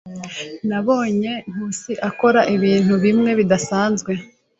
Nabonye Nkusi akora ibintu bimwe bidasanzwe.